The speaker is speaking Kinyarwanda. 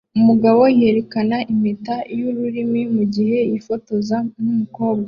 Umugabo yerekana impeta y'ururimi mugihe yifotozanya numukobwa